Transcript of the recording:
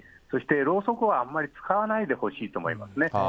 そして、ろうそくはあまり使わないでほしいと思いますね。